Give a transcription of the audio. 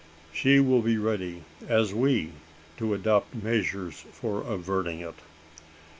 She will be ready, as we, to adopt measures for averting it."